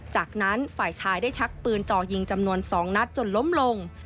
จากนั้นฝ่ายชายได้ชักปืนจ่อยิงจำนวน๒นัดจนล้มลง